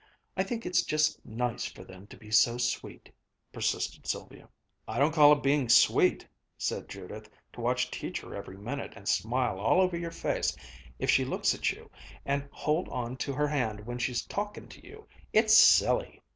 I think it's just nice for them to be so sweet!" persisted Sylvia. "I don't call it bein' sweet," said Judith, "to watch Teacher every minute and smile all over your face if she looks at you and hold on to her hand when she's talkin' to you! It's silly!"